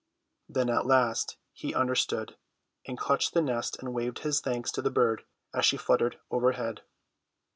Then at last he understood, and clutched the nest and waved his thanks to the bird as she fluttered overhead.